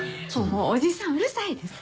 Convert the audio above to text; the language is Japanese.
おじさんうるさいです。